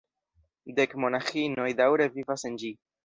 Dek monaĥinoj daŭre vivas en ĝi.